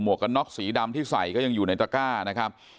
กันน็อกสีดำที่ใส่ก็ยังอยู่ในตะก้านะครับ